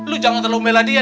lu jangan terlalu meladi ya